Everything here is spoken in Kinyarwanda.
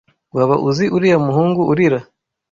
Waba uzi uriya muhungu urira?